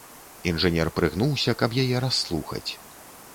Інжынер прыгнуўся, каб яе расслухаць.